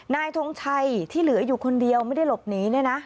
ทงชัยที่เหลืออยู่คนเดียวไม่ได้หลบหนีเนี่ยนะ